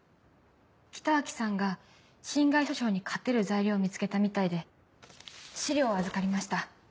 北脇さんが侵害訴訟に勝てる材料を見つけたみたいで資料を預かりました。